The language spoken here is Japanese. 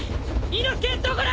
伊之助どこだ！？